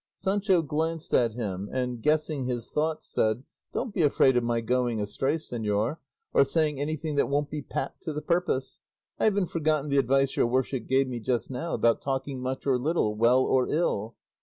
Sancho glanced at him, and guessing his thoughts, said, "Don't be afraid of my going astray, señor, or saying anything that won't be pat to the purpose; I haven't forgotten the advice your worship gave me just now about talking much or little, well or ill."